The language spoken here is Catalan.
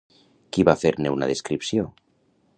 Qui va fer-ne una descripció?